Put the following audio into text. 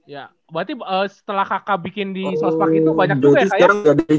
ya berarti setelah kakak bikin di south park itu banyak juga ya